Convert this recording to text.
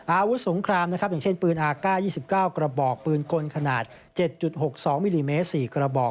อาวุธสงครามนะครับอย่างเช่นปืนอากาศ๒๙กระบอกปืนกลขนาด๗๖๒มิลลิเมตร๔กระบอก